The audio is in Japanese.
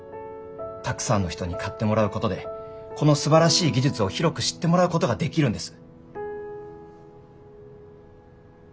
たくさんの人に買ってもらうことでこのすばらしい技術を広く知ってもらうことができるんです。